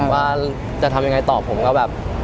ว่าจะทำยังไงต่อผมก็แบบ